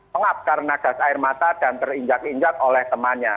pengap karena gas air mata dan terinjak injak oleh temannya